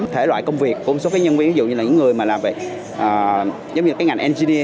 thể loại công việc của một số nhân viên ví dụ như những người làm về ngành engineer